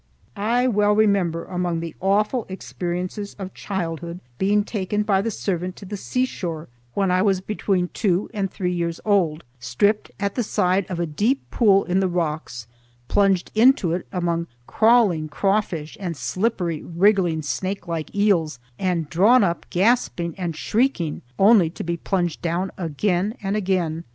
I well remember among the awful experiences of childhood being taken by the servant to the seashore when I was between two and three years old, stripped at the side of a deep pool in the rocks, plunged into it among crawling crawfish and slippery wriggling snake like eels, and drawn up gasping and shrieking only to be plunged down again and again.